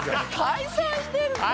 解散してるから。